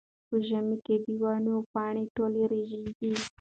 په ژمي کې د ونو پاڼې ټولې رژېږي.